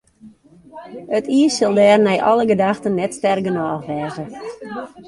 It iis sil dêr nei alle gedachten net sterk genôch wêze.